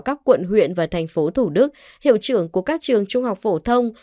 các quận huyện và thành phố thủ đức hiệu trưởng của các trường trung học phổ thông